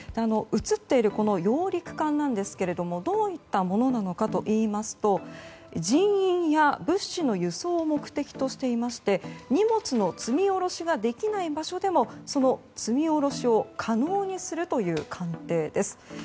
映っている揚陸艦なんですけれどもどういったものかといいますと人員や物資の輸送を目的としていまして荷物の積み下ろしができない場所でもその積み下ろしを可能にするという艦艇です。